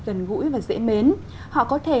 gần gũi và dễ mến họ có thể